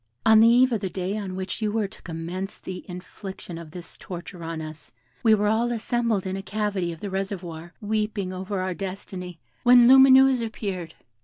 On the eve of the day on which you were to commence the infliction of this torture on us, we were all assembled in a cavity of the reservoir, weeping over our destiny, when Lumineuse appeared.